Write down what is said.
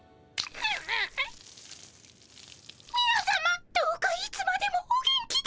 みなさまどうかいつまでもお元気で。